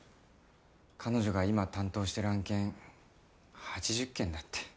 彼女が今担当している案件８０件だって。